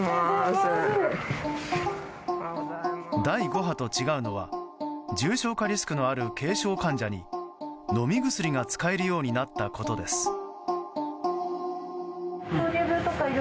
第５波と違うのは重症化リスクのある軽症患者に飲み薬が使えるようになったことです。